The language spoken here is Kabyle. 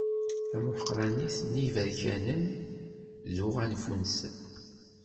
Tamuḥeqranit n yiberkanen d uɣanfi-nsen.